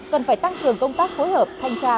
cần phải tăng cường công tác phối hợp thanh tra